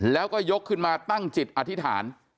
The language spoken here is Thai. แล้วก็ยกขึ้นมาตั้งจิตอธิษฐาน